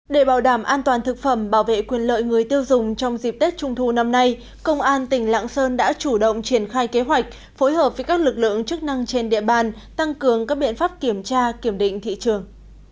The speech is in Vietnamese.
để bảo đảm an toàn thực phẩm bảo vệ quyền lợi người tiêu dùng trong dịp tết trung thu năm nay công an tỉnh lạng sơn đã chủ động triển khai kế hoạch phối hợp với các lực lượng chức năng trên địa bàn tăng cường các biện pháp kiểm tra kiểm định thị trường